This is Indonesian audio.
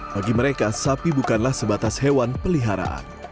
bagi mereka sapi bukanlah sebatas hewan peliharaan